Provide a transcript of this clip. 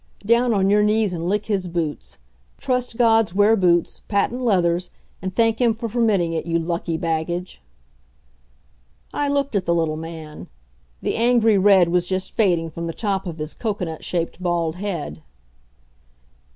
Down on your knees and lick his boots Trust gods wear boots, patent leathers and thank him for permitting it, you lucky baggage!" I looked at the little man; the angry red was just fading from the top of his cocoanut shaped bald head.